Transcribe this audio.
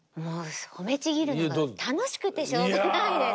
褒めちぎるのが楽しくてしょうがないです。